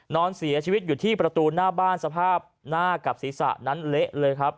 นอนเสียชีวิตอยู่ที่ประตูหน้าบ้านสภาพหน้ากับศีรษะนั้นเละเลยครับ